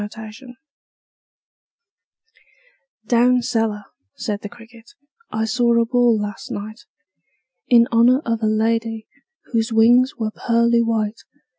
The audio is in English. The Potato's Dance "Down cellar," said the cricket, "I saw a ball last night In honor of a lady Whose wings were pearly white.